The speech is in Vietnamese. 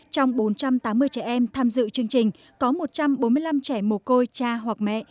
trong bốn trăm tám mươi trẻ em tham dự chương trình có một trăm bốn mươi năm trẻ mồ côi cha hoặc mẹ